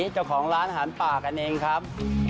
เจ้าของร้านอาหารป่ากันเองครับ